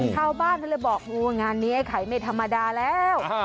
ชาวบ้านเขาเลยบอกโอ้งานนี้ไอ้ไข่ไม่ธรรมดาแล้ว